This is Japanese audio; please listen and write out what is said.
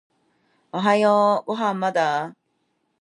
おはようご飯まだ？